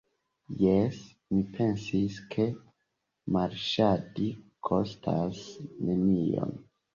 Jes, mi pensis, ke marŝadi kostas nenion.